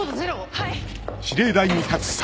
はい！